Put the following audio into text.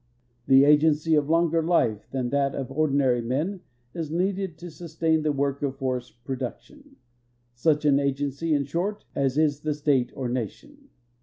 An agency of longer life than that of ordinary men is needed to sustain the work of forest production — such an agenc3^ in short, as is the state or nation.